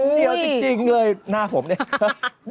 เดียวจริงเลยหน้าผมเนี่ย